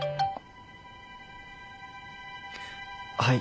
はい。